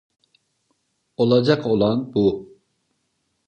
Olacak olan bu.